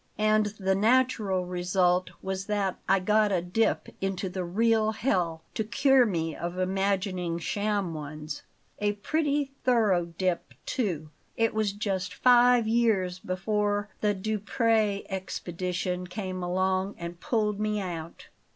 And the natural result was that I got a dip into the real hell to cure me of imagining sham ones. A pretty thorough dip, too it was just five years before the Duprez expedition came along and pulled me out."